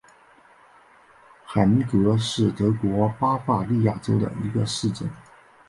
海明格是德国巴伐利亚州的一个市镇。